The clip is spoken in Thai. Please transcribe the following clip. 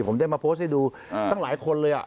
ผมจะมาโพสต์ให้ดูตั้งหลายคนเลย